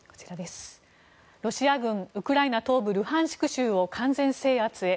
ロシア軍、ウクライナ東部ルハンシク州を完全制圧へ。